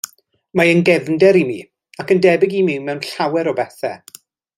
Mae yn gefnder i mi, ac yn debyg i mi mewn llawer o bethau.